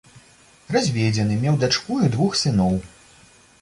Разведзены, меў дачку і двух сыноў.